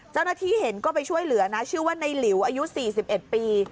เจ้าหน้าที่เห็นก็ไปช่วยเหลือนะชื่อว่าในหลิวอายุ๔๑ปี